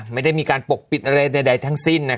ไม่ได้มีการปกปิดอะไรใดทั้งสิ้น